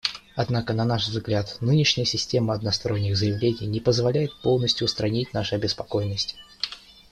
Однако, на наш взгляд, нынешняя система односторонних заявлений не позволяет полностью устранить наши обеспокоенности.